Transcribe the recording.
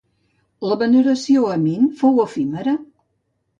La veneració a Min fou efímera?